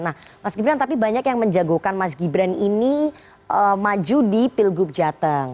nah mas gibran tapi banyak yang menjagokan mas gibran ini maju di pilgub jateng